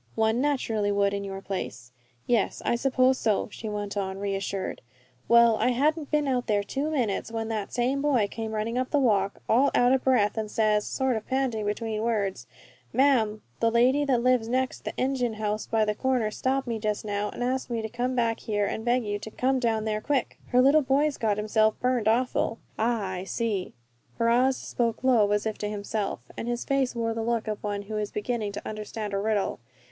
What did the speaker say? "One naturally would in your place." "Yes, I suppose so," she went on, reassured. "Well, I hadn't been out there two minutes when that same boy came running up the walk, all out of breath, and says, sort of panting between words, 'Ma'am, the lady that lives next the engine house by the corner stopped me just now an' asked me to come back here an' beg you to come down there quick! Her little boy's got himself burned awful!'" "Ah! I see!" Ferrars spoke low, as if to himself, and his face wore the look of one who is beginning to understand a riddle.